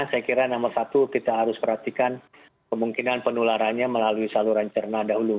saya kira nomor satu kita harus perhatikan kemungkinan penularannya melalui saluran cerna dahulu